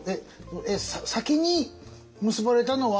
先に結ばれたのは。